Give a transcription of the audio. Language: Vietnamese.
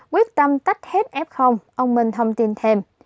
quyết tâm tách hết f ông minh thông tin thêm